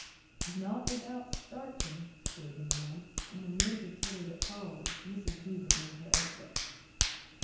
"Not without starchin'," said the man, and amid the titter that followed, Mrs. Beaver made her exit.